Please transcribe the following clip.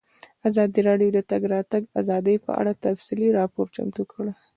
ازادي راډیو د د تګ راتګ ازادي په اړه تفصیلي راپور چمتو کړی.